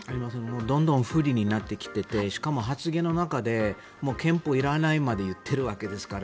どんどん不利になってきていてしかも発言の中で憲法いらないまで言ってるわけですから。